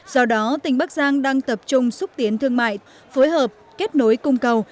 do đó tỉnh bắc giang đang tập trung xúc tiến thương mại phối hợp kết nối cung cầu